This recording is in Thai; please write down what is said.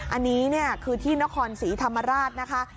อันนี้เนี่ยคือที่นครศรีธรรมราชนะคะ